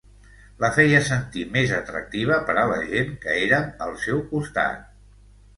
La feia sentir més atractiva per a la gent que érem al seu costat.